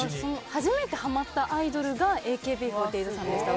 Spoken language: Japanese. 初めてはまったアイドルがＡＫＢ４８さんでした。